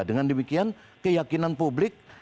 dengan demikian keyakinan publik